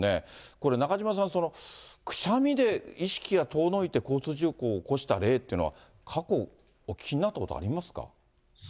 これ、中島さん、くしゃみで意識が遠のいて、交通事故を起こした例っていうのは、過去、お聞きになったことありますか？